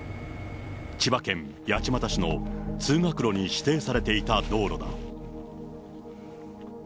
千葉県八街市の通学路に指定されていた道路だ。